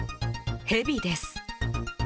ヘビです。